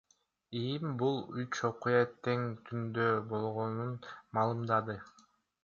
ИИМ бул үч окуя тең түндө болгонун маалымдады.